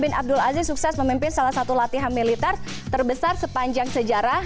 bin abdul aziz sukses memimpin salah satu latihan militer terbesar sepanjang sejarah